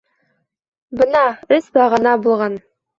— Бына, өс бағана булған.